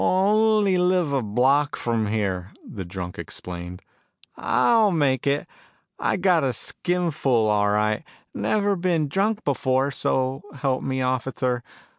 "Only live a block from here," the drunk explained. "I'll make it. I gotta skin full, all right. Never been drunk before, so help me, officer.